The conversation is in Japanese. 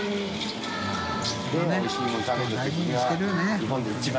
日本で一番。